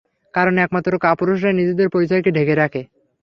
কারণ, একমাত্র কাপুরুষেরাই নিজেদের পরিচয়কে ঢেকে রাখে।